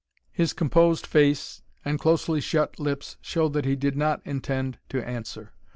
His composed face and closely shut lips showed that he did not intend to answer.